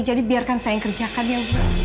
jadi biarkan saya yang kerjakan ya bu